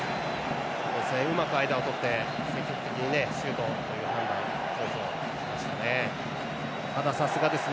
うまく間を取って積極的にシュートという判断をしましたね。